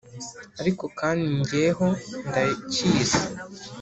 ariko kandi jyeho ndacyizi